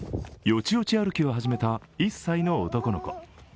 よちよち歩きを始めた１歳の男の子。